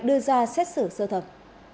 đưa ra xét xử sơ thật